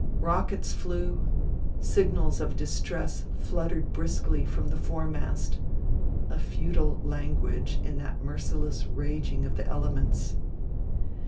Rockets flew, signals of distress fluttered briskly from the foremast; a futile language in that merciless raging of the elements.